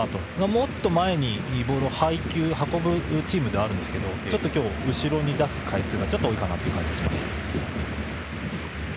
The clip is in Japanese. もっと前にボールを配球、運ぶチームではあるんですけどちょっと後ろに出す回数が多い感じがしました。